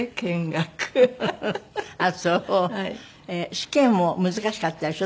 試験も難しかったでしょ？